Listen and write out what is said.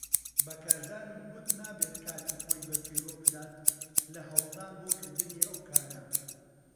بە کارزانم گوت نابێت کاتی خۆی بەفیڕۆ بدات لە هەوڵدان بۆ کردنی ئەو کارە.